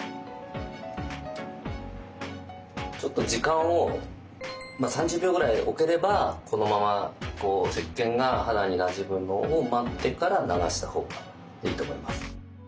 ちょっと時間を３０秒ぐらいおければこのまま石けんが肌になじむのを待ってから流した方がいいと思います。